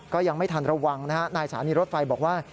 ก็ยังไม่ทันระวังนะฮะนายสถานีรถไฟบอกว่า